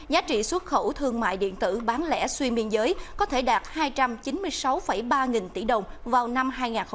giá trị xuất khẩu thương mại điện tử bán lẻ xuyên biên giới có thể đạt hai trăm chín mươi sáu ba nghìn tỷ đồng vào năm hai nghìn hai mươi